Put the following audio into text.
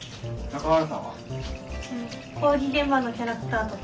工事現場のキャラクターとか。